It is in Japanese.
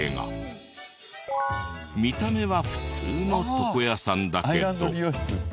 見た目は普通の床屋さんだけど。